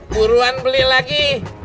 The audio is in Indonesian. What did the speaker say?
buruan beli lagi